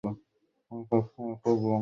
সেখানেও চোরকাঁটার রাজত্ব।